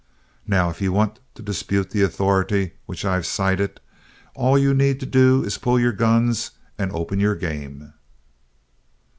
Now, if you want to dispute the authority which I've sighted, all you need to do is pull your guns and open your game."